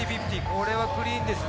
これはクリーンです。